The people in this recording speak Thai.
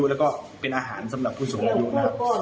ผู้สูงอายุและก็เป็นอาหารสำหรับผู้สูงอายุนะครับ